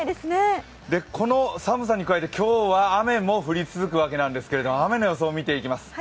この寒さに加えて、今日は雨も降り続くわけなんですけれども、雨の予想を見ていきます。